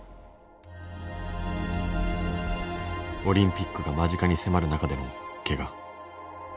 オリンピックが間近に迫る中でのけが。